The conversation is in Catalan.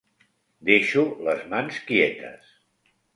Deixo les mans quietes.